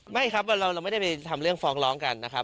ไม่ครับเราไม่ได้ไปทำเรื่องฟ้องร้องกันนะครับ